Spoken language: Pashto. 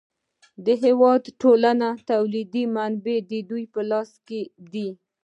د هېواد ټولې تولیدي منابع د دوی په لاس کې دي